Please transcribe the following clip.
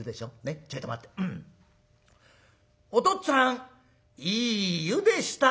おとっつぁんいい湯でしたよ」。